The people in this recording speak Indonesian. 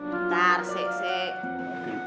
bentar sik sik